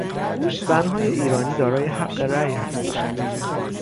زنهای ایرانی دارای حق رای هستند.